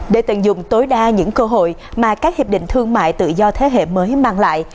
để tận dụng tối đa những cơ hội mà các hiệp định thương mại tự do thế hệ mới mang lại